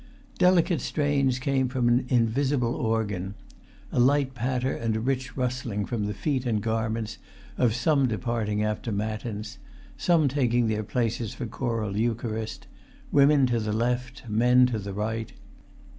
Delicate strains came from an invisible organ; a light patter and a rich rustling from the feet and garments of some departing after matins, some taking their places for choral eucharist, women to the left, men to the right.